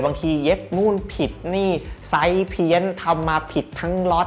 บางทีเย็กนู่นผิดเนี่ยสายเพีย้นทำมาผิดทั้งล็อต